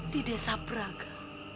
di desa praga